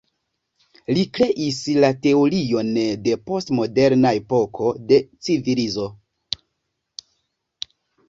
Li kreis la teorion de post-moderna epoko de civilizo.